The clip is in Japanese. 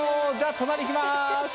隣行きます！